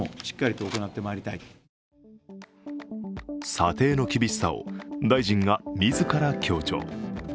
査定の厳しさを大臣が自ら強調。